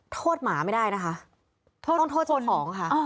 โทษหมาไม่ได้นะคะโทษต้องโทษของค่ะอ้อ